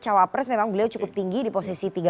capres memang beliau cukup tinggi di posisi